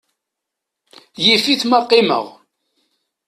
Yif-it ma qqimeɣ.